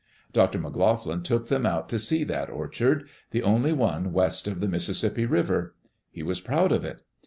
Dr. McLoughlin took them out to see that orchard — the only one west of the Mississippi River. He was proud of it.